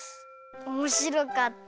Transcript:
おもしろかった。